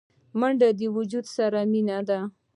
منډه د وجود سره مینه ده